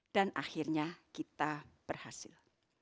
dan akhirnya kita berhasil